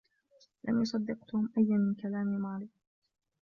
لم يصدّق توم أيا من كلام ماري.